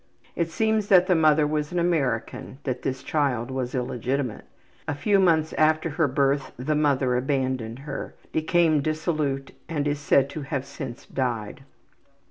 It seems that the mother was an American, that this child was illegitimate. A few months after her birth the mother abandoned her, became dissolute and is said to have since died.